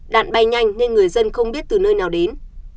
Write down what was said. đạn bay nhanh nên người dân không biết từ nơi nào đến